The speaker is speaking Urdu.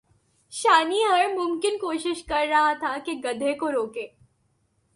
شانی ہر ممکن کوشش کر رہا تھا کہ گدھے کو روکے